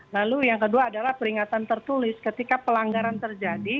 lalu yang kedua adalah peringatan tertulis ketika pelanggaran terjadi